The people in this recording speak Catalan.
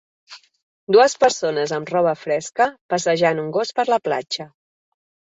Dues persones amb roba fresca passejant un gos per una platja.